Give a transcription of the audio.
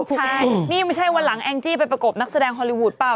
ใช่นี่ไม่ใช่วันหลังแองจี้ไปประกบนักแสดงฮอลลีวูดเปล่า